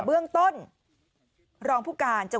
โปรดติดตามต่อไป